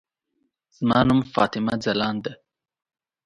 زما نوم فاطمه ځلاند ده.